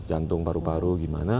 jantung paru paru gimana